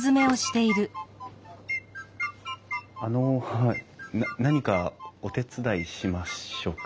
あの何かお手伝いしましょうか？